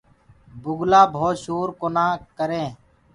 بُگلآ ڀوت شور ڪونآ ڪرينٚ۔